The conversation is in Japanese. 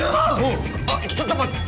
うんあっちょっと待っ